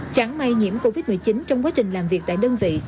chẳng may nhiễm covid một mươi chín trong quá trình làm việc tại đơn vị